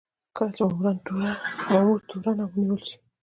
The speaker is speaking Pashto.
کله چې مامور تورن او ونیول شي.